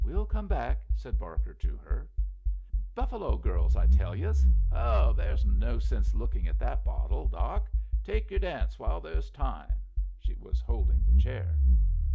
"We'll come back," said Barker to her. "'Buffalo Girls,' I tell yus. Ho! There's no sense looking at that bottle, Doc. Take yer dance while there's time!" She was holding the chair.